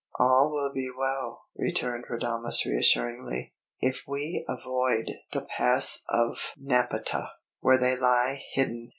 "All will be well," returned Radames reassuringly, "if we avoid the Pass of Napata, where they lie hidden!"